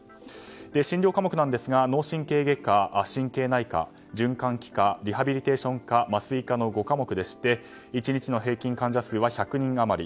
診療科目なんですが脳神経外科、神経内科循環器科、リハビリテーション科麻酔科の５科目でして１日の平均患者数は１００人余り。